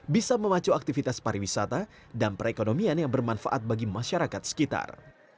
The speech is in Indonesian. bisa memacu aktivitas pariwisata dan perekonomian yang bermanfaat bagi masyarakat sekitar